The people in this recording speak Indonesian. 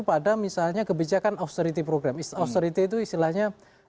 ada yang berbeda sekali ya